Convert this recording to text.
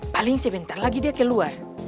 paling sebentar lagi dia keluar